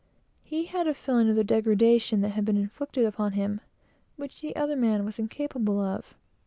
He had a feeling of the degradation that had been inflicted upon him, which the other man was incapable of.